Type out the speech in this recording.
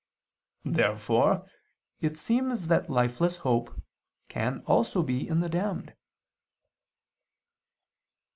Therefore it seems that lifeless hope also can be in the damned.